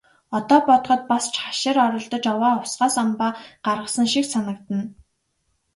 Одоо бодоход бас ч хашир оролдож, овоо овсгоо самбаа гаргасан шиг санагдана.